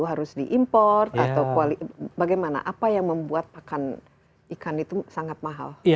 harus diimport atau bagaimana apa yang membuat pakan ikan itu sangat mahal